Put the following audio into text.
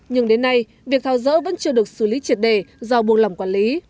nhưng đến nay việc tháo rỡ vẫn chưa được xử lý triệt đề do buôn lòng quản lý